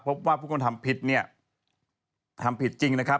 พบว่าผู้คนทำผิดเนี่ยทำผิดจริงนะครับ